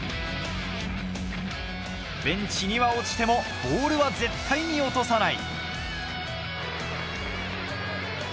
ベンチには落ちてもボールは絶対に落とさない。